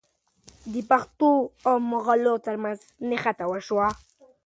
د پښتنو او مغلو ترمنځ نښته وشوه.